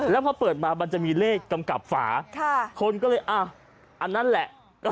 แล้วพอเปิดมามันจะมีเลขกำกับฝาคนก็เลยอ่ะอันนั้นแหละ